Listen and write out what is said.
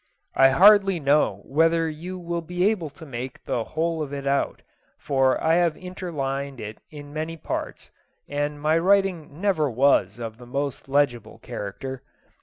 I hardly know whether you will be able to make the whole of it out, for I have interlined it in many parts, and my writing never was of the most legible character.